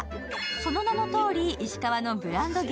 その名のとおり、石川のブランド牛